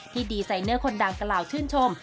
ดีไซเนอร์คนดังกล่าวชื่นชม